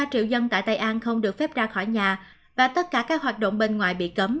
ba triệu dân tại tây an không được phép ra khỏi nhà và tất cả các hoạt động bên ngoài bị cấm